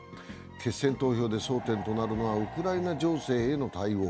決選投票で争点となるのはウクライナ情勢への対応。